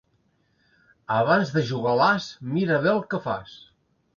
Abans de jugar l'as, mira bé el que fas.